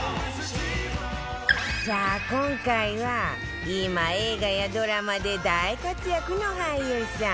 さあ今回は今映画やドラマで大活躍の俳優さん